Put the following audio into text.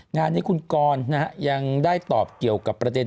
งานนี้คุณกรยังได้ตอบเกี่ยวกับประเด็น